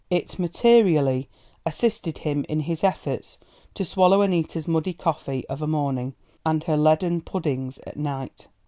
It materially assisted him in his efforts to swallow Annita's muddy coffee of a morning and her leaden puddings at night.